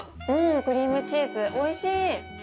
クリームチーズ、おいしい。